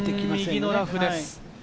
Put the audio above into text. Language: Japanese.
右のラフです。